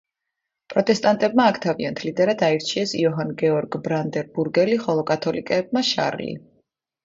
პროტესტანტებმა აქ თავიანთ ლიდერად აირჩიეს იოჰან გეორგ ბრანდენბურგელი, ხოლო კათოლიკეებმა შარლი.